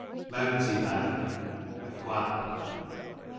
Meawntebank, a quack.